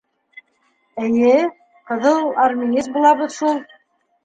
— Эйе, ҡыҙыл армеец булабыҙ шул.